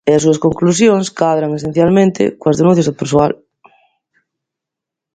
E as súas conclusións cadran, esencialmente, coas denuncias do persoal.